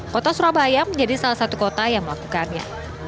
kota surabaya menjadi salah satu kota yang melakukannya